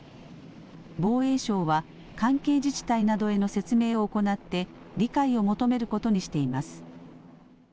防衛省は、関係自治体などへの説明を行って、理解を求めることにしています。